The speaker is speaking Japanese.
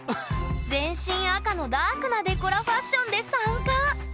全身赤のダークなデコラファッションで参加千葉！